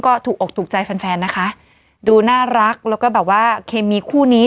ก็ถูกอกถูกใจแฟนแฟนนะคะดูน่ารักแล้วก็แบบว่าเคมีคู่นี้